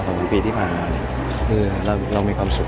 สองปีที่ผ่านมาเนี่ยคือเราเรามีความสุข